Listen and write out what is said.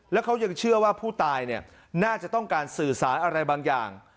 แล้วเขายังเชื่อว่าผู้ตายน่าจะต้องการสื่อสารอะไรบางอย่าง